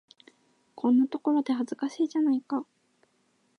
こんなところで、恥ずかしいじゃないか。